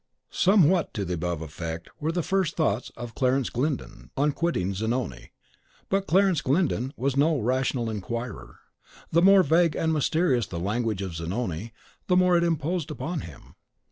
Somewhat to the above effect were the first thoughts of Clarence Glyndon on quitting Zanoni. But Clarence Glyndon was no "rational inquirer." The more vague and mysterious the language of Zanoni, the more it imposed upon him.